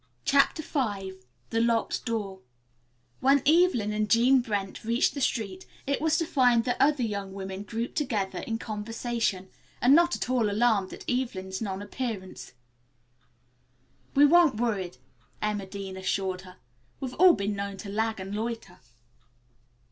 CHAPTER V THE LOCKED DOOR When Evelyn and Jean Brent reached the street it was to find the other young women grouped together in conversation, and not at all alarmed at Evelyn's non appearance. "We weren't worried," Emma Dean assured her. "We've all been known to lag and loiter."